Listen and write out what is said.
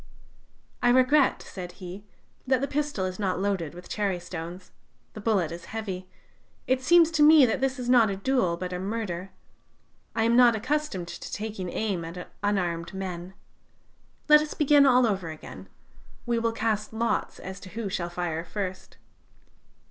"'I regret,' said he, 'that the pistol is not loaded with cherry stones ... the bullet is heavy. It seems to me that this is not a duel, but a murder. I am not accustomed to taking aim at unarmed men. Let us begin all over again; we will cast lots as to who shall fire first.'